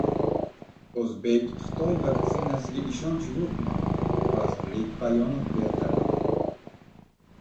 O‘zbek-xitoy vaktsinasiga ishonch yo‘qmi?... Vazirlik bayonot berdi